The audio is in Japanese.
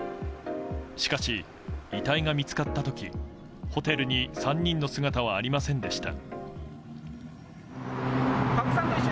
しかし、遺体が見つかった時ホテルに３人の姿はありませんでした。